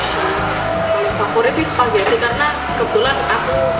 saya favoriti spaghetti karena kebetulan aku